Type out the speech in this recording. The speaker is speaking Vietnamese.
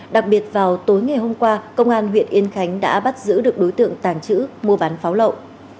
đặc biệt vào tối ngày hôm qua công an huyện yên khánh đã bắt giữ được đối tượng tàng trữ mua bán pháo lậu